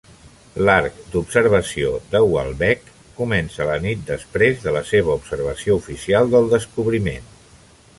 L'arc d'observació de "Walbeck" comença la nit després de la seva observació oficial del descobriment.